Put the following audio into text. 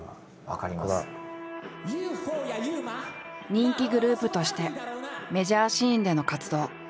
人気グループとしてメジャーシーンでの活動。